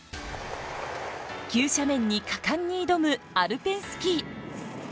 急斜面に果敢に挑むアルペンスキー。